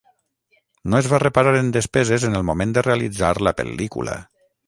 No es va reparar en despeses en el moment de realitzar la pel·lícula.